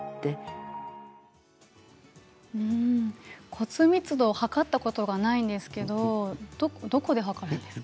骨密度を測ったことがないんですけれどどこで測るんですか？